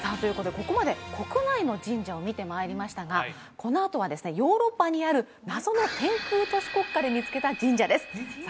ここまで国内の神社を見てまいりましたがこのあとはですねヨーロッパにある謎の天空都市国家で見つけた神社ですさあ